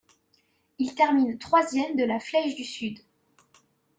Il termine troisième de la Flèche du Sud.